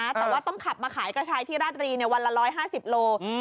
แต่ว่าต้องขับมาขายกระชายที่ราชรีวันละ๑๕๐โล